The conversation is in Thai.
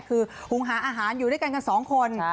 คือหุงหาอาหารอยู่ด้วยกันกันสองคน